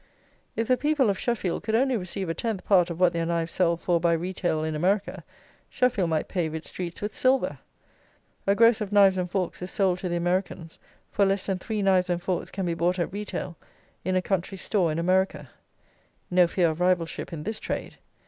If the people of Sheffield could only receive a tenth part of what their knives sell for by retail in America, Sheffield might pave its streets with silver. A gross of knives and forks is sold to the Americans for less than three knives and forks can be bought at retail in a country store in America. No fear of rivalship in this trade.